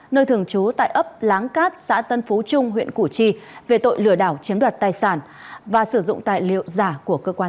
nơi thường trú tại ấp láng cát xã tân phú trung huyện củ chi về tội lừa đảo chiếm đoạt tài sản và sử dụng tài liệu giả của cơ quan